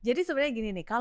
jadi sebenarnya gini nih